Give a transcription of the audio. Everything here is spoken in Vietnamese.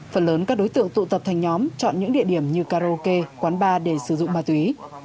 phần lớn các đối tượng tụ tập thành nhóm chọn những địa điểm như karaoke quán bar để sử dụng ma túy